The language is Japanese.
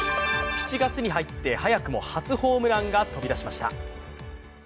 ７月に入って早くも初ホームランが飛び出しました。